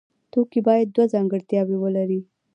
توکی باید دوه ځانګړتیاوې ولري.